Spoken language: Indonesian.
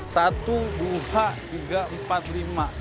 satu dua tiga empat lima